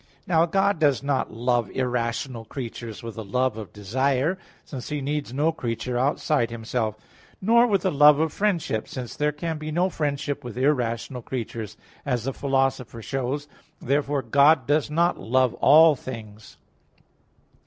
Now God does not love irrational creatures with the love of desire, since He needs no creature outside Himself. Nor with the love of friendship; since there can be no friendship with irrational creatures, as the Philosopher shows (Ethic. viii, 2). Therefore God does not love all things.